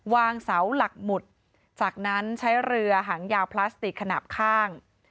วางเสาหลักหมุดจากนั้นใช้เรือหางยาวพลาสติกขนาดข้าง